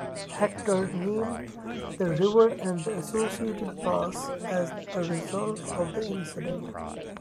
Hector named the river and the associated pass as a result of the incident.